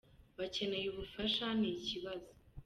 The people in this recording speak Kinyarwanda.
bakeneye ubufasha ni ikibazo.”